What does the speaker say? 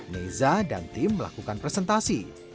neza dan tim melakukan presentasi